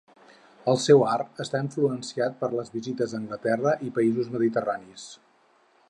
El seu art està influenciat per les seves visites a Anglaterra i països mediterranis.